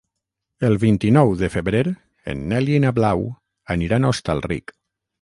El vint-i-nou de febrer en Nel i na Blau aniran a Hostalric.